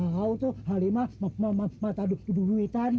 kau tuh kali ma m m mata du du duwetan